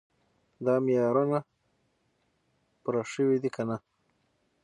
دا معیارونه پوره شوي دي که نه.